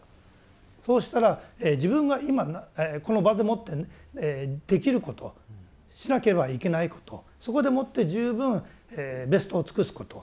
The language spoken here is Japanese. そうしたら自分が今この場でもってできることしなければいけないことそこでもって十分ベストを尽くすこと。